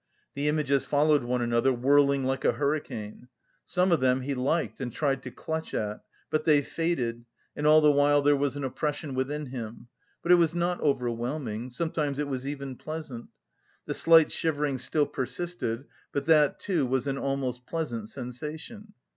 The images followed one another, whirling like a hurricane. Some of them he liked and tried to clutch at, but they faded and all the while there was an oppression within him, but it was not overwhelming, sometimes it was even pleasant.... The slight shivering still persisted, but that too was an almost pleasant sensation.